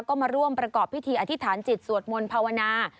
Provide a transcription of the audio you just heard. ก็มาร่วมประกอบพิธีอธิษฐานจิตสวดมนต์ภาวนา